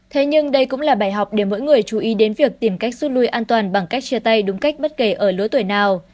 thế nhưng đây cũng là bài học để mỗi người chú ý đến việc tìm cách rút lui an toàn bằng cách chia tay đúng cách bất kể ở lứa tuổi nào